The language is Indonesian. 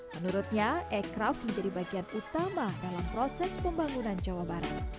menurutnya ekraf menjadi bagian utama dalam proses pembangunan jawa barat